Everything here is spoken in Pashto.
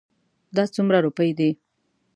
دا څومره روپی دي؟